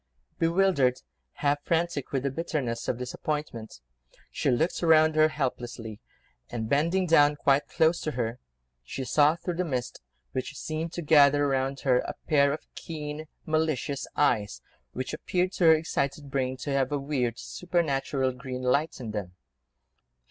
Bewildered, half frantic with the bitterness of disappointment, she looked round her helplessly, and, bending down quite close to her, she saw through the mist, which seemed to gather round her, a pair of keen, malicious eyes, which appeared to her excited brain to have a weird, supernatural green light in them.